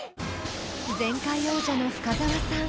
［前回王者の深澤さん